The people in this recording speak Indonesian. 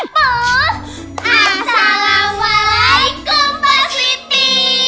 assalamualaikum pak sri kiti